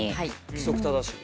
規則正しい。